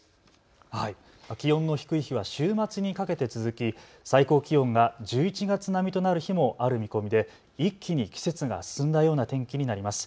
気温の低い日は週末にかけて続き最高気温が１１月並みとなる日もある見込みで一気に季節が進んだような天気になります。